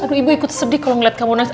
aduh ibu ikut sedih kalau ngeliat kamu nangis